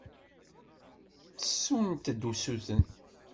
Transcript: Ttessunt-d usuten.